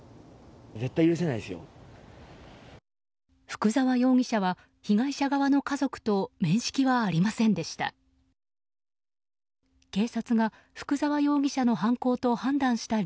福沢容疑者は被害者側の家族と面識はありませんでした。